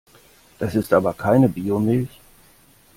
Das ist aber keine Biomilch!